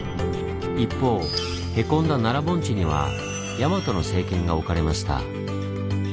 一方へこんだ奈良盆地には大和の政権が置かれました。